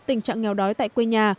tình trạng nghèo đói tại quê nhà